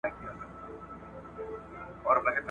د پانوس تتي رڼا ته به شرنګی وي د پایلو ..